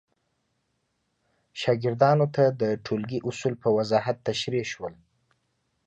شاګردانو ته د ټولګي اصول په وضاحت تشریح شول.